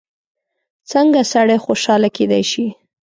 څنګه سړی خوشحاله کېدای شي؟